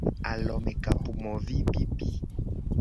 Alomekapomovipipi.